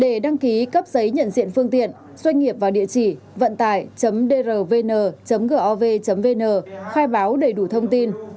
để đăng ký cấp giấy nhận diện phương tiện doanh nghiệp vào địa chỉ vận tải drvn gov vn khai báo đầy đủ thông tin